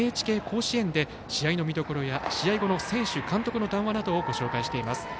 「＃ＮＨＫ甲子園」で試合の見どころや試合後の選手、監督の談話などもご紹介しています。